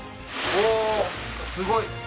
おすごい！